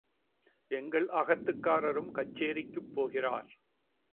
எங்கள் அகத்துக்காரரும் கச்சேரிக்குப் போகிறார்.